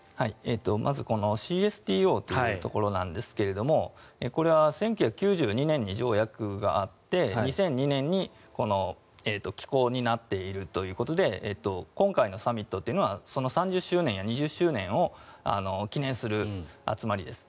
まずこのＣＳＴＯというところですがこれは１９９２年に条約があって２００２年に機構になっているということで今回のサミットはその３０周年や２０周年を記念する集まりです。